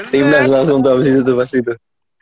tim nas langsung tuh abis itu tuh pasti tuh